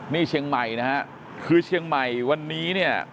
นี่เชียงใหม่นะฮะคือเชียงใหม่วันนี้เนี่ย